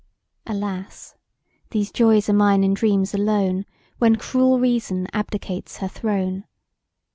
Alas! these joys are mine in dreams alone, When cruel Reason abdicates her throne!